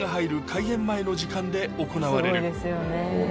開演前の時間で行われるもう